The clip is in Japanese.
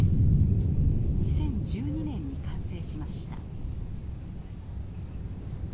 ２０１２年に完成しました。